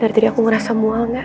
dari tadi aku ngerasa mual gak